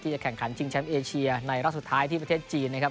จะแข่งขันชิงแชมป์เอเชียในรอบสุดท้ายที่ประเทศจีนนะครับ